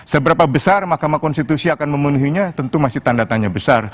seberapa besar mahkamah konstitusi akan memenuhinya tentu masih tanda tanya besar